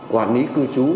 quản lý cư trú